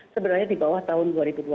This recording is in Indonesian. sebenarnya di bawah tahun dua ribu dua puluh